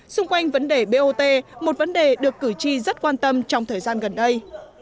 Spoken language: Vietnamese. xung quanh vấn đề bot một vấn đề được cử tri rất quan tâm trong thời gian gần đây